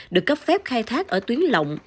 được cấp phép khai thác ở tuyến lộng